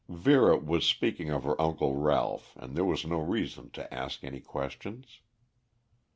Vera was speaking of her uncle Ralph and there was no reason to ask any questions.